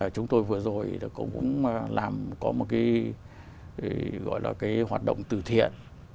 chúng tôi vừa rồi cũng làm có một cái gọi là cái hoạt động từ thiện